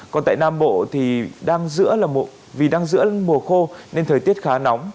còn tại nam bộ vì đang giữa mùa khô nên thời tiết khá nóng